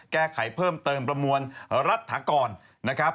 แก้ไขเพิ่มเติมประมวลรัฐถากรนะครับ